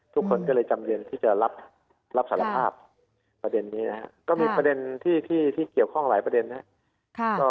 ทุกคนก็เลยจำเรียนที่จะรับสารภาพประเด็นนี้นะครับก็มีประเด็นที่เกี่ยวข้องหลายประเด็นนะครับ